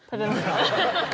アハハハ。